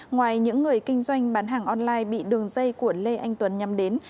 ngoài những người kinh doanh bán hàng online bị đường dây của lê anh tuấn nhắm đến